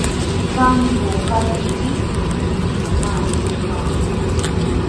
¿Kanku katriyki? Manami kanku.